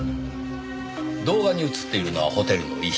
動画に映っているのはホテルの一室。